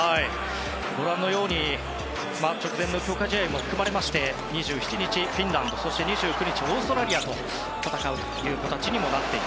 ご覧のように直前の強化試合も組まれまして２７日、フィンランド２９日、オーストラリアと戦うという形です。